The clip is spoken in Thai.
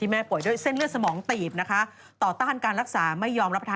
ผมเบ๊ะปากคุณอ่านนั้นแหละ